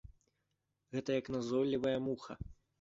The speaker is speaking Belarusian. Гэта як назойлівая муха.